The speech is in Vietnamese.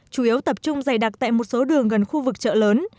chủ yếu tập trung dày đặc tại một số đường gần khu vực chợ lớn